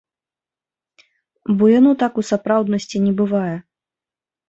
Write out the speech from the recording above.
Бо яно так у сапраўднасці не бывае.